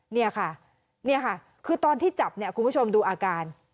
นี่ค่ะคือตอนที่จับคุณผู้ชมดูอาการ